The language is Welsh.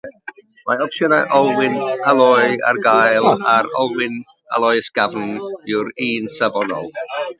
Mae opsiynau olwyn aloi ar gael a'r olwyn aloi ysgafn yw'r un safonol.